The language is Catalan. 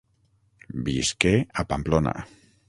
Visqué a Pamplona.